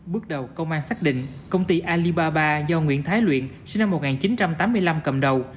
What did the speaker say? bước đầu công an xác định công ty alibaba do nguyễn thái luyện sinh năm một nghìn chín trăm tám mươi năm cầm đầu